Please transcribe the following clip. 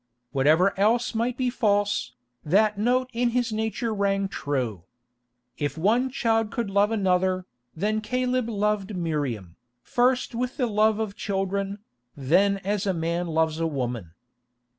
Whatever else might be false, that note in his nature rang true. If one child could love another, then Caleb loved Miriam, first with the love of children, then as a man loves a woman.